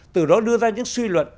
từ đó đưa ra những suy luận